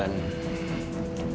ya ini dia